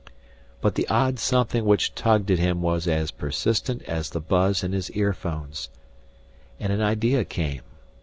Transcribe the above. But the odd something which tugged at him was as persistent as the buzz in his earphones. And an idea came.